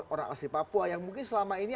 orang asli papua yang mungkin selama ini